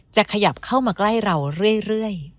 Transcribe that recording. จะขยับเข้ามาใกล้เราเรื่อย